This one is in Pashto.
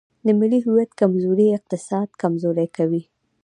د ملي هویت کمزوري اقتصاد کمزوری کوي.